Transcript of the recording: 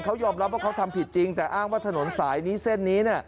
เขายอมรับว่าเขาทำผิดจริงแต่อ้างว่าถนนสายนี้เส้นนี้